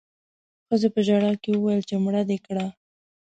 ښځې په ژړا کې وويل چې مړه دې کړه